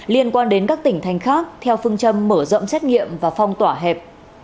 liên quan đến các tỉnh thành khác theo phương châm mở rộng xét nghiệm và phong tỏa hẹp